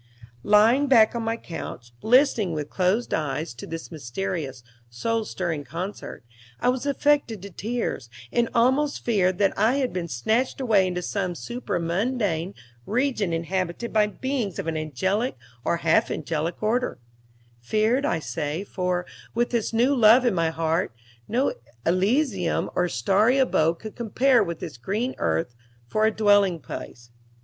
Lying back on my couch, listening with closed eyes to this mysterious, soul stirring concert, I was affected to tears, and almost feared that I had been snatched away into some supra mundane region inhabited by beings of an angelic or half angelic order feared, I say, for, with this new love in my heart, no elysium or starry abode could compare with this green earth for a dwellingplace.